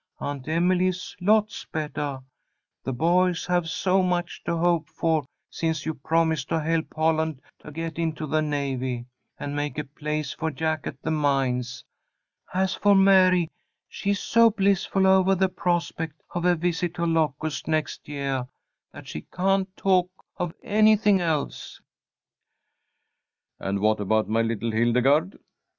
Aunt Emily is lots bettah, the boys have so much to hope for since you promised to help Holland get into the Navy, and make a place for Jack at the mines. As for Mary, she is so blissful ovah the prospect of a visit to Locust next yeah, that she can't talk of anything else." "And what about my little Hildegarde?"